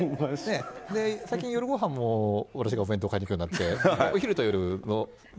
最近、夜ごはんのほうも私がお弁当買いに行くようになって。